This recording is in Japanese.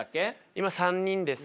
今３人です。